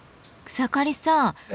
草刈さん